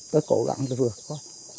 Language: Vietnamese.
tôi cố gắng vượt qua